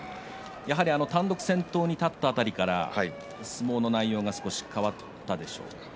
やはり単独先頭に立った辺りから相撲の内容が少し変わったでしょうか？